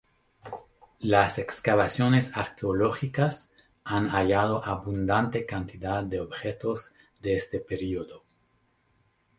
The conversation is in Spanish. Las excavaciones arqueológicas han hallado abundante cantidad de objetos de este período.